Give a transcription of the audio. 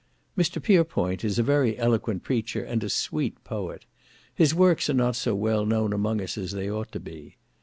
Mr. Pierpoint is a very eloquent preacher, and a sweet poet. His works are not so well known among us as .they ought to be.